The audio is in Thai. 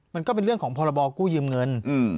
มันก็เป็นเรื่องของพรบกู้ยืมเงิน